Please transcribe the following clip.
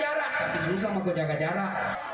tapi susah mau jaga jarak